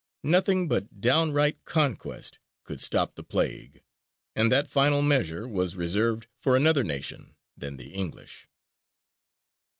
Nothing but downright conquest could stop the plague, and that final measure was reserved for another nation than the English.